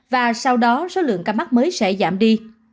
và sau đó số lượng ca mắc mới sẽ giảm đi